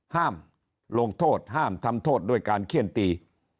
ห้ามลงโทษห้ามทำโทษด้วยการเขี้ยนตี